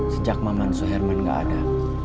sejak mamansuh herman gak ada